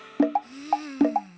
うん。